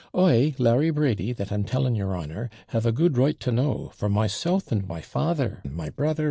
I, Larry Brady, that am telling your honour, have a good right to know, for myself, and my father, and my brother.